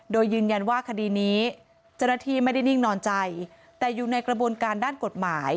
โดยยืนยันว่าคดีนี้เจ้าหน้าที่ไม่ได้นิ่งนอนใจแต่อยู่ในกระบวนการด้านกฎหมาย